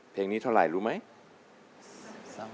เพลงนี้เท่าไหร่รู้ไหม